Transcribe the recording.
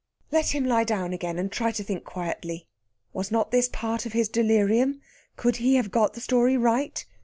Let him lie down again and try to think quietly. Was not this part of his delirium? Could he have got the story right?